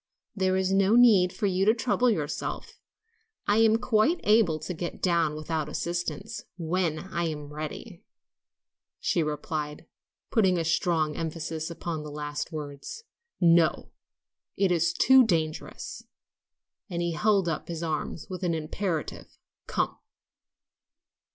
"There's no need for you to trouble yourself, I am quite able to get down without assistance, when I'm ready," she replied, putting a strong emphasis upon the last words. "No; it is too dangerous," and he held up his arms with an imperative, "Come!"